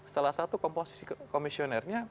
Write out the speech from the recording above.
salah satu komposisi komisionernya